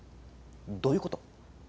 どういうこと？